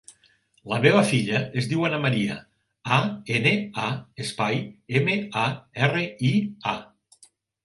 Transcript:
La meva filla es diu Ana maria: a, ena, a, espai, ema, a, erra, i, a.